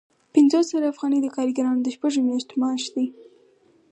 پنځوس زره افغانۍ د کارګرانو د شپږو میاشتو معاش دی